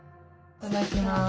いただきます。